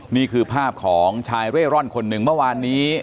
นี่คือภาพของชายเร่ร่อนคนหนึ่งเมื่อวานนี้